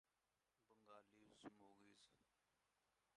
A small tree or shrub with smooth leaves.